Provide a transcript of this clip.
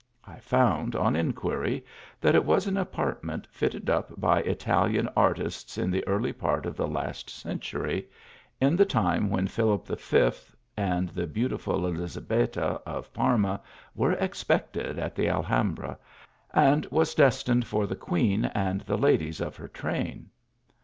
I found, on in quiry, that it was an apartment fitted up by Italian artists, in the early part of the last century, at the time when Philip V. and the beautiful Elizabetta of Parma were expected at the Alhambra ; and was destined for the queen and the ladies of her train.